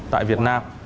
tại việt nam